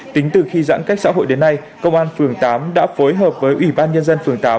tính từ khi giãn cách xã hội đến nay công an phường tám đã phối hợp với ủy ban nhân dân phường tám